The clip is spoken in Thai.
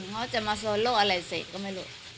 เขาจะมาโซโล่อะไรเสร็จก็ไม่รู้